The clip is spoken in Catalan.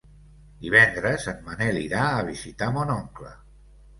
Divendres en Manel irà a visitar mon oncle.